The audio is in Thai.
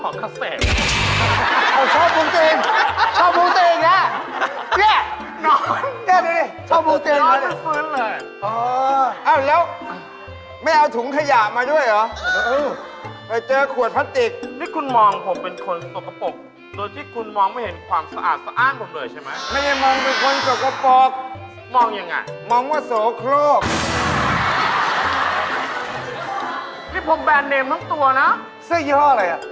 เหลือให้บูเตนเลยเออแหละไม่เอาถุงขยะมาด้วยหรอพาเจและขวดพลาติกมีคุณมองผมเป็นคนสกปรกโดยที่คุณมองไม่เห็นความสะอาดสะอ้านผมเลยใช่ไหมไม่มองเป็นคนสกปรกมองอย่างไรมองว่าสูงโลกนี่ผมแบนไดมท์ทั้งตัวนะเซ่ยี่ห้ออะไร